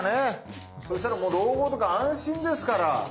そうしたらもう老後とか安心ですから。